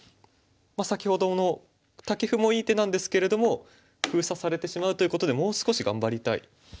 先ほどのタケフもいい手なんですけれども封鎖されてしまうということでもう少し頑張りたい。